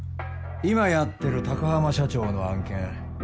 今やってる高濱社長の案件